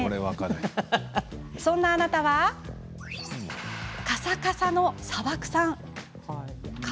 そんなあなたはカサカサの砂漠さん。